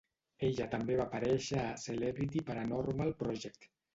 Ella també va aparèixer a "Celebrity Paranormal Project".